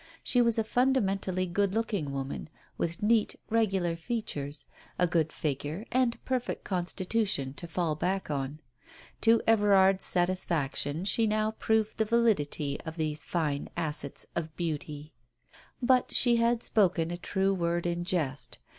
She was a fundament ally good looking woman, with neat, regular features, a good figure and perfect constitution to fall back on. To Everard's satisfaction she now proved the validity of these fine assets of beauty. But she had spoken a true word in jest.